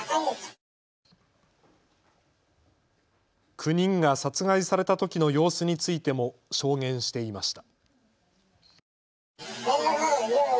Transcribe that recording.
９人が殺害されたときの様子についても証言していました。